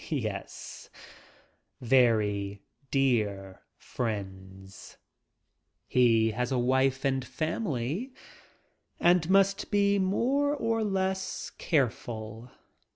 Yes, very dear friends. He has a wife an cf family and must be more or less careful.